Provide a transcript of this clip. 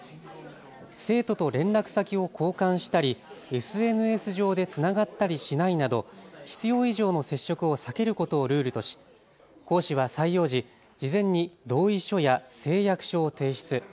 生徒と連絡先を交換したりＳＮＳ上でつながったりしないなど必要以上の接触を避けることをルールとし講師は採用時、事前に同意書や誓約書を提出。